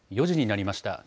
４時になりました。